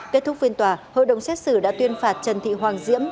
kết thúc phiên tòa hội đồng xét xử đã tuyên phạt trần thị hoàng diễm